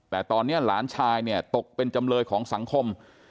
แต่ตอนนี้หลานชายเนี่ยตกเป็นจำเลยของสังคม